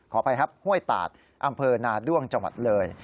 อภัยครับห้วยตาดอำเภอนาด้วงจังหวัดเลย